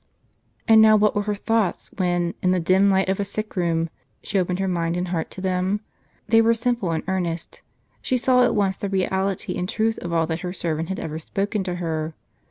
And now what were her thoughts, when, in the dim light of a sick room, she opened her mind and heart to them ? They were simple and earnest. She saw at once the reality and truth of all that her servant had ever spoken to her.